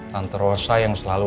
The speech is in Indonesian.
tante rosa yang selalu